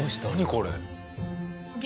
これ。